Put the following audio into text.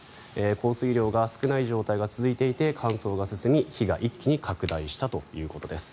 降水量が少ない状態が進んで乾燥が進み、火が一気に拡大したということです。